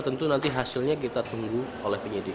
tentu nanti hasilnya kita tunggu oleh penyidik